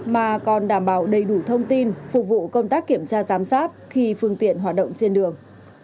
mà còn đảm bảo đầy đủ thông tin phục vụ công tác kiểm tra giám sát khi phương tiện hoạt động trên đường